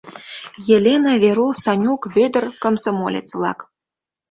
Елена, Веру, Санюк, Вӧдыр — комсомолец-влак.